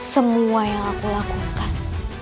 semua yang aku lakukan